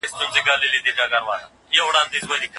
په دغه جنګ کي ډېر تاوان وسو.